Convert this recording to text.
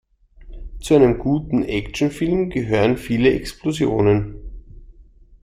Zu einem guten Actionfilm gehören viele Explosionen.